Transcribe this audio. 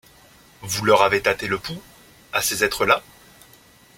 Vous leur avez tâté le pouls, à ces êtres-là ?